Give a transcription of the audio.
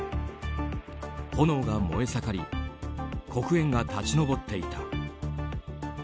炎が燃え盛り黒煙が立ち上っていた。